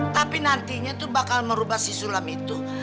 tapi nantinya tuh bakal merubah si sulam itu